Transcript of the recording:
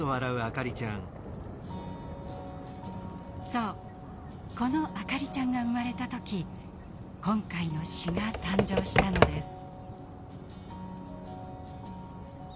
そうこのあかりちゃんが生まれた時今回の詩が誕生したのです。